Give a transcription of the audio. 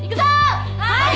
はい。